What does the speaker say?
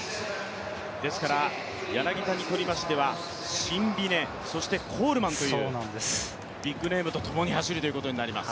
ですから、柳田にとりましてはシンビネ、コールマンというビッグネームとともに走るということになります。